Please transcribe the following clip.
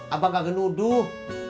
abang gak genuduh